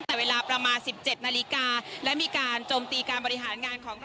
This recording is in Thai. แต่เวลาประมาณ๑๗นาฬิกาและมีการโจมตีการบริหารงานของ